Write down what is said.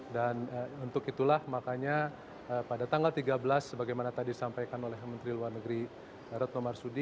dan untuk itulah makanya pada tanggal tiga belas sebagaimana tadi disampaikan oleh menteri luar negeri retno marsudi